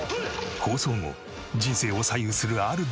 放送後人生を左右するある出来事が。